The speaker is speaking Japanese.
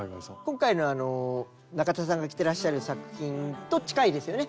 今回の中田さんが着てらっしゃる作品と近いですよね。